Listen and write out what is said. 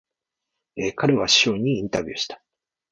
彼は首相にインタビューした。